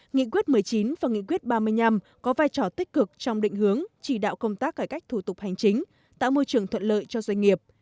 nghị quyết một mươi chín và nghị quyết ba mươi năm có vai trò tích cực trong định hướng chỉ đạo công tác cải cách thủ tục hành chính tạo môi trường thuận lợi cho doanh nghiệp